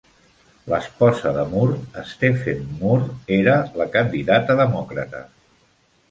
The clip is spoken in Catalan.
L'esposa de Moore, Stephene Moore, era la candidata demòcrata.